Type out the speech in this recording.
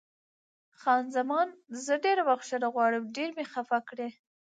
خان زمان: زه ډېره بښنه غواړم، ډېر مې خفه کړې.